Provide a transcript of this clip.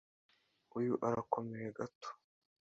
Uyu arakomeye gato.